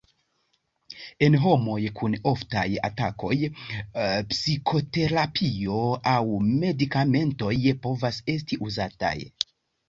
En homoj kun oftaj atakoj, psikoterapio aŭ medikamentoj povas esti uzataj.